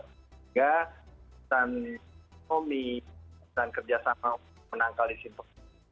tiga pesan komi pesan kerjasama menangkal di simposan